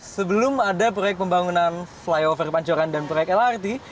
sebelum ada proyek pembangunan flyover pancoran dan proyek lrt